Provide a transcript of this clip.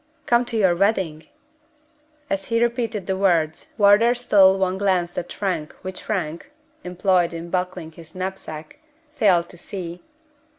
"Come to your wedding?" As he repeated the words Wardour stole one glance at Frank which Frank (employed in buckling his knapsack) failed to see.